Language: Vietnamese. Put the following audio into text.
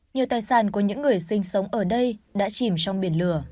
nhiều tài sản của những người sinh sống ở đây đã chìm sâu